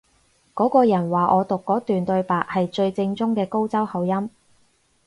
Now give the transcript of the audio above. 嗰個人話我讀嗰段對白係最正宗嘅高州口音